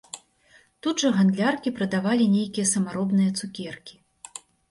Тут жа гандляркі прадавалі нейкія самаробныя цукеркі.